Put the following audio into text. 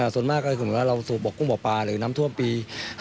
ส่วนมากก็คือเราสูบบอกกุ้งบอกปลาหรือน้ำท่วมปี๕๐๕๕